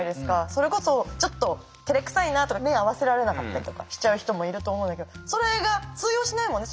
それこそちょっとてれくさいなとか目合わせられなかったりとかしちゃう人もいると思うんだけどそれが通用しないもんね。